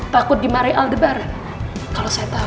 takut di maria aldebar kalau saya tahu